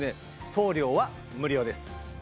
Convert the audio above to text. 送料は無料です。